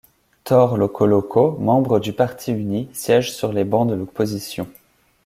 Tore Lokoloko, membre du Parti uni, siège sur les bancs de l'opposition.